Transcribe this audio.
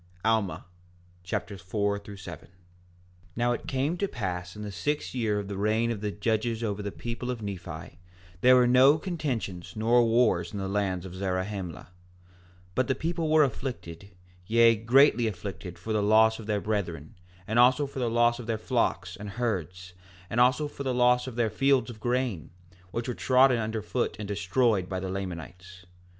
Alma Chapter 4 4:1 Now it came to pass in the sixth year of the reign of the judges over the people of Nephi, there were no contentions nor wars in the land of Zarahemla; 4:2 But the people were afflicted, yea, greatly afflicted for the loss of their brethren, and also for the loss of their flocks and herds, and also for the loss of their fields of grain, which were trodden under foot and destroyed by the Lamanites.